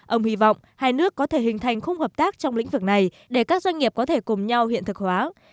ông hy vọng hai nước có thể hình thành khung hợp tác trong lĩnh vực này để các doanh nghiệp có thể cùng nhau hiện thực hóa